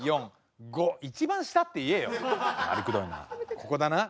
ここだな？